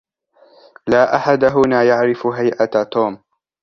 لا أحد هنا يعرف هيئة توم.